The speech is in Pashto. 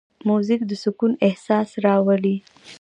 موزیک د سکون احساس راولي.